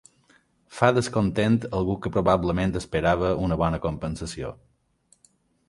Fa descontent algú que probablement esperava una bona compensació.